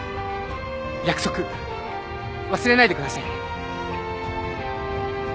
約束忘れないでくださいね。